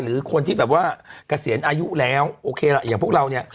หรือคนที่แบบว่าเกษียณอายุแล้วโอเคล่ะอย่างพวกเราเนี่ย